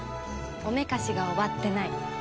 おめかしが終わってない。